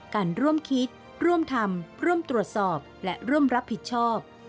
การร่วมคิดร่วมทำร่วมตรวจสอบและร่วมรับผิดชอบ